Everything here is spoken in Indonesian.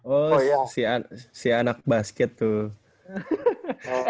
oh si anak basket tuh